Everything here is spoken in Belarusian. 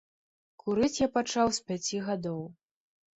Курыць я пачаў з пяці гадоў.